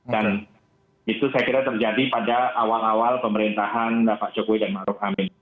dan itu saya kira terjadi pada awal awal pemerintahan pak jokowi dan mak ruf amin